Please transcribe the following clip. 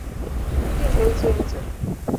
对拳支援者